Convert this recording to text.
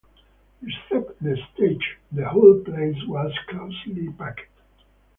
Except the stage the whole place was closely packed.